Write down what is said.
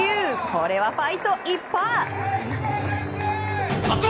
これはファイト一発！